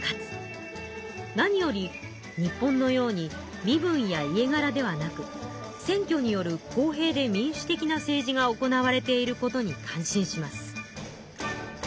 なにより日本のように身分や家がらではなく選挙による公平で民主的な政治が行われていることに感心します。